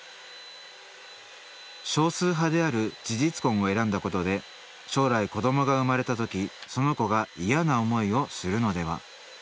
少数派である事実婚を選んだことで将来子どもが生まれた時その子が嫌な思いをするのでは？